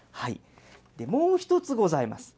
もう一つございます。